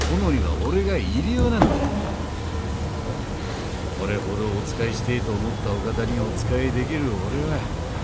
これほどお仕えしてえと思ったお方にお仕えできる俺は幸せ者だ。